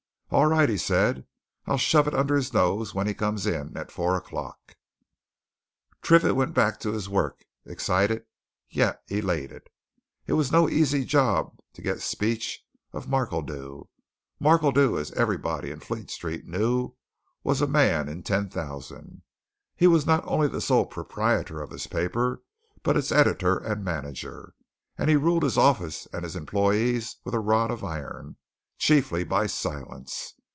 "All right!" he said. "I'll shove it under his nose when he comes in at four o'clock." Triffitt went back to his work, excited, yet elated. It was no easy job to get speech of Markledew. Markledew, as everybody in Fleet Street knew, was a man in ten thousand. He was not only sole proprietor of his paper, but its editor and manager, and he ruled his office and his employees with a rod of iron chiefly by silence.